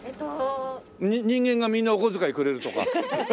人間がみんなお小遣いくれるとか？